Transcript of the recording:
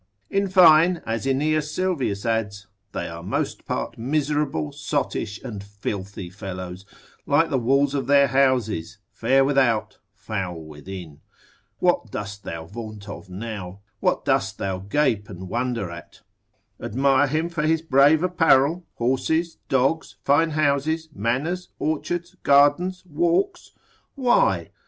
In fine, as Aeneas Sylvius adds, they are most part miserable, sottish, and filthy fellows, like the walls of their houses, fair without, foul within. What dost thou vaunt of now? What dost thou gape and wonder at? admire him for his brave apparel, horses, dogs, fine houses, manors, orchards, gardens, walks? Why?